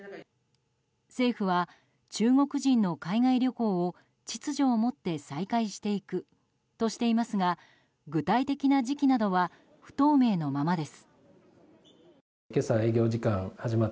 政府は中国人の海外旅行を秩序をもって再開していくとしていますが具体的な時期などは不透明のままです。